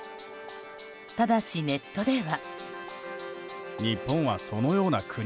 ただし、ネットでは。